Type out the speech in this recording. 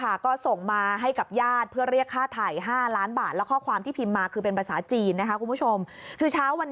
และแบบนี้ขาเหมือนเป็นรู